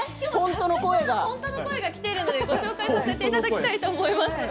本当の声がきているのでご紹介させていただきます。